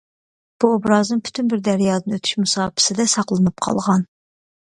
بۇ ئوبرازىم پۈتۈن بىر دەريادىن ئۆتۈش مۇساپىسىدە ساقلىنىپ قالغان.